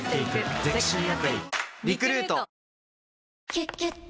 「キュキュット」